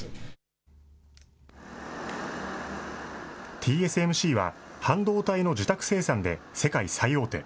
ＴＳＭＣは半導体の受託生産で世界最大手。